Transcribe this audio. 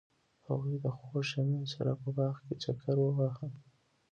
هغوی د خوږ شمیم سره په باغ کې چکر وواهه.